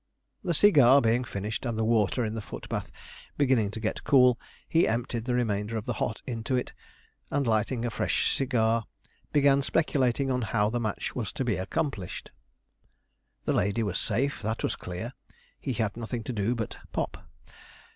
The cigar being finished, and the water in the foot bath beginning to get cool, he emptied the remainder of the hot into it, and lighting a fresh cigar, began speculating on how the match was to be accomplished. The lady was safe, that was clear; he had nothing to do but 'pop.'